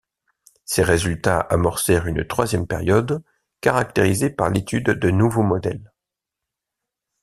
Ces résultats amorcèrent une troisième période caractérisée par l'étude de nouveaux modèles.